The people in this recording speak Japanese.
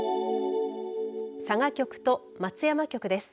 佐賀局と松山局です。